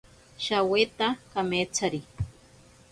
Shaweta kametsari.